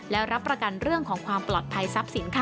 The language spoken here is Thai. และรับประกันเรื่องของความปลอดภัยทรัพย์สินค่ะ